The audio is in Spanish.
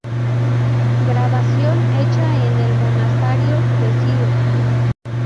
Grabación hecha en el Monasterio de Silos.